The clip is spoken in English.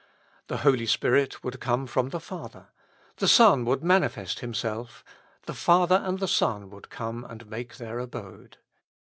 The Holy Spirit would come from the Father ; the Son would manifest Himself ; the Father and the Son would come and make their abode.